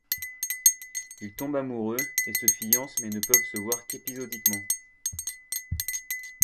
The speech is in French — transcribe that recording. Ils tombent amoureux et se fiancent mais ne peuvent se voir qu'épisodiquement.